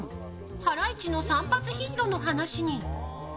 ハライチの散髪頻度の話に。